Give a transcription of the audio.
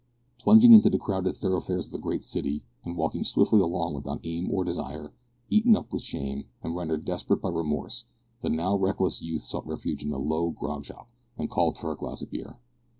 Plunging into the crowded thoroughfares of the great city, and walking swiftly along without aim or desire, eaten up with shame, and rendered desperate by remorse, the now reckless youth sought refuge in a low grog shop, and called for a glass of beer.